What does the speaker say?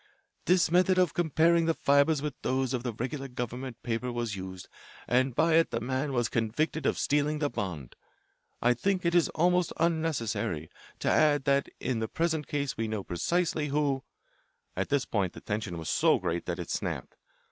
This method of comparing the fibres with those of the regular government paper was used, and by it the man was convicted of stealing the bond. I think it is almost unnecessary to add that in the present case we know precisely who " At this point the tension was so great that it snapped.